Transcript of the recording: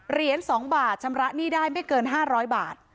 เหรียญ๒บาทชำระหนี้ได้ไม่เกิน๕๐๐บาท